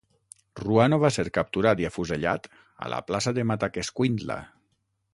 Ruano va ser capturat i afusellat a la plaça de Mataquescuintla.